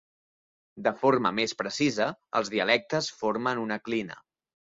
De forma més precisa, els dialectes formen una clina.